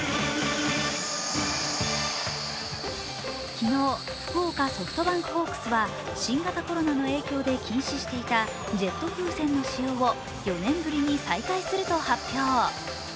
昨日、福岡ソフトバンクホークスは新型コロナの影響で禁止していたジェット風船の使用を４年ぶりに再開すると発表。